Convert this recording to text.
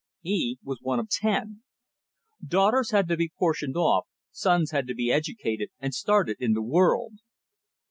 He was one of ten. Daughters had to be portioned off, sons had to be educated and started in the world.